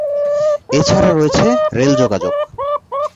এছাড়া রয়েছে রেল যোগাযোগ।